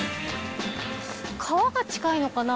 川が近いのかな？